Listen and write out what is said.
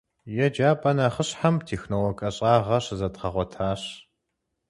Еджапӏэ нэхъыщхьэм «технолог» ӏэщӏагъэр щызэдгъэгъуэтащ.